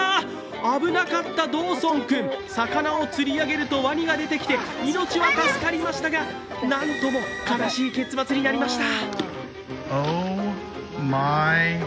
危なかったドーソン君、魚を釣り上げるとワニが出てきて、命は助かりましたがなんとも悲しい結末になりました。